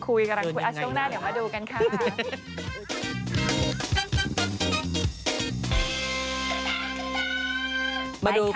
ปล่อยให้เบลล่าว่าง